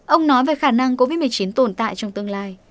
ông nói về khả năng covid một mươi chín tồn tại trong tương lai